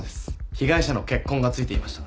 被害者の血痕が付いていました。